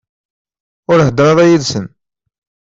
Ur heddeṛ ara yid-sen.